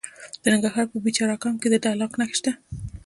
د ننګرهار په پچیر اګام کې د تالک نښې شته.